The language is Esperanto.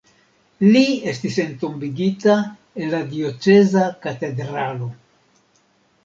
Li estis entombigita en la dioceza katedralo.